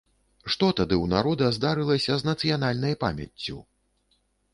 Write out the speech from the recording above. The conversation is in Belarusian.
Што тады ў народа здарылася з нацыянальнай памяццю?